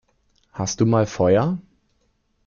Hast du mal Feuer?